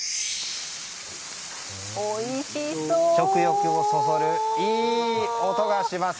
食欲をそそる、いい音がします。